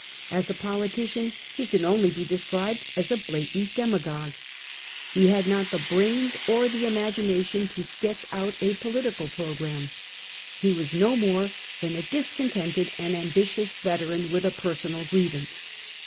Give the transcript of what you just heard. As a politician he can only be described as a blatant demagogue; he had not the brains or the imagination to sketch out a political programme. He was no more than a discontented and ambitious veteran, with a personal grievance.